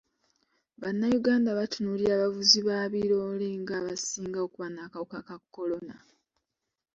Bannayuganda batunuulira abavuzi ba biroole ng'abasinga okuba n'akawuka ka kolona.